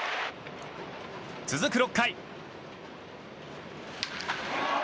続く６回。